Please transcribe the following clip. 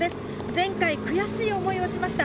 前回、悔しい思いをしました。